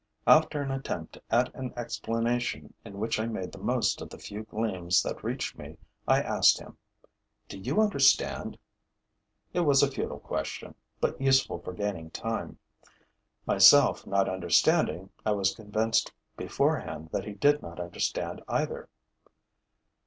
After an attempt at an explanation in which I made the most of the few gleams that reached me I asked him: 'Do you understand?' It was a futile question, but useful for gaining time. Myself not understanding, I was convinced beforehand that he did not understand either.